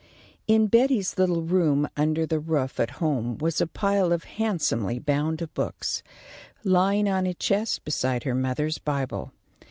In Betty's little room under the roof at home was a pile of handsomely bound books, lying on a chest beside her mother's Bible.